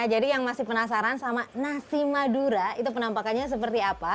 jadi yang masih penasaran sama nasi madura itu penampakannya seperti apa